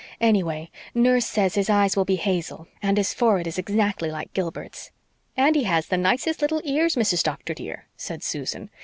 Anyway, nurse says his eyes will be hazel and his forehead is exactly like Gilbert's." "And he has the nicest little ears, Mrs. Doctor, dear," said Susan.